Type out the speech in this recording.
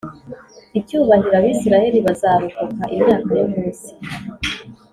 icyubahiro Abisirayeli bazarokoka imyaka yo munsi